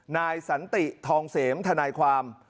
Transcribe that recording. นายสันติทองเสมทนายความ